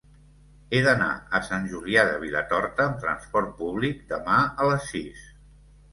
He d'anar a Sant Julià de Vilatorta amb trasport públic demà a les sis.